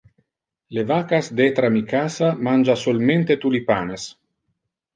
Le vaccas detra mi casa mangia solmente tulipanes.